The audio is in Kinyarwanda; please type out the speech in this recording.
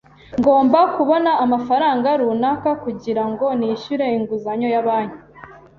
Ngomba kubona amafaranga runaka kugirango nishyure inguzanyo ya banki.